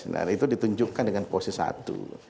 nah itu ditunjukkan dengan posisi satu